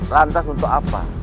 lantas untuk apa